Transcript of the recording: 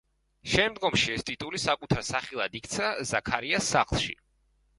შემდგომში ეს ტიტული საკუთარ სახელად იქცა ზაქარიას სახლში.